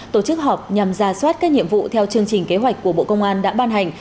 tổ chức họp nhằm ra soát các nhiệm vụ theo chương trình kế hoạch của bộ công an đã ban hành